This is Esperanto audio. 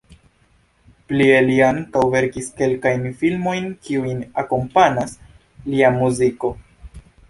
Plie li ankaŭ verkis kelkajn filmojn kiujn akompanas lia muziko.